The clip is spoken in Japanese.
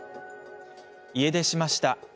家出しました。